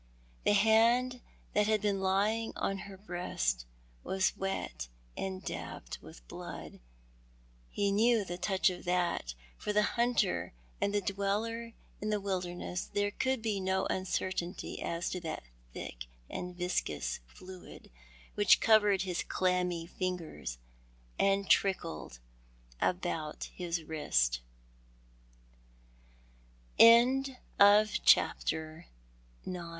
'J"he hand that had been lying on her breast was wet and dabbled with blood. He knew the touch of that. For the hunter and the dweller in the wilderness th ere could be no uncertainty as to that thick and viscous fluid which covered his clammy fingers and trick